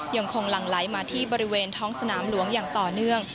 หลั่งไหลมาที่บริเวณท้องสนามหลวงอย่างต่อเนื่อง